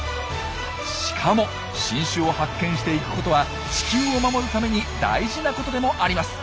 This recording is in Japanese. しかも新種を発見していくことは地球を守るために大事なことでもあります。